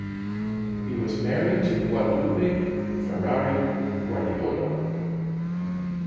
He was married to Guadalupe Ferrari Guardiola.